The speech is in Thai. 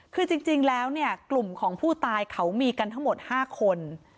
คือจริงแล้วเนี่ยกลุ่มของผู้ตายเขามีกันทั้งหมด๕คน